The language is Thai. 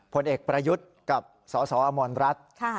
พลเอกประยุทธิ์กับสาวอมรรดิ